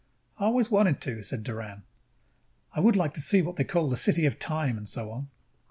"I always wanted to," said Doran. "I would like to see the what they call City of Time, and so on.